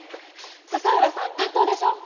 佐々浦さん担当でしょ？